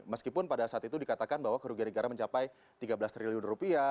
meskipun pada saat itu dikatakan bahwa kerugian negara mencapai tiga belas triliun rupiah